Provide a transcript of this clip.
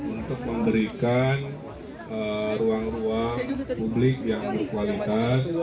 untuk memberikan ruang ruang publik yang berkualitas